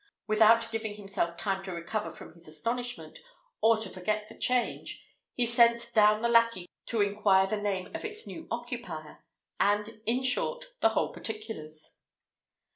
Without giving himself time to recover from his astonishment, or to forget the change, he sent down the lackey to inquire the name of its new occupier, and, in short, the whole particulars.